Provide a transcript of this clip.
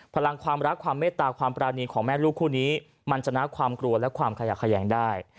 พลังความรักความเมตตาความปรานีของแม่ลูกคู่นี้มันชนะความกลัวและความขยะแขยงได้